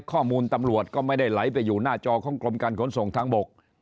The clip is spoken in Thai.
ข้อมูลตำรวจก็ไม่ได้ไหลไปอยู่หน้าจอของกรมการขนส่งทางบก